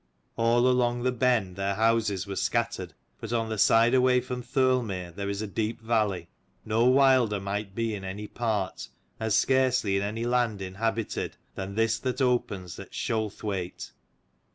All along the Benn their houses were scattered, but on the side away from Thirlmere there is a deep valley. No wilder might be in any part, and scarcely in any land inhabited, than this that opens at Shoulthwaite.